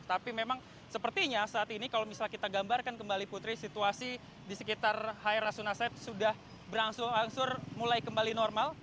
tapi memang sepertinya saat ini kalau misalnya kita gambarkan kembali putri situasi di sekitar hai rasuna said sudah berangsur angsur mulai kembali normal